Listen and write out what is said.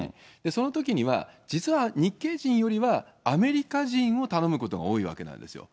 そのときには実は、日系人よりは、アメリカ人を頼むことが多いわけなんですよ。